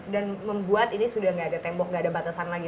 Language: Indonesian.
dan membuat ini udah ga ada tembok ga ada batasan lagi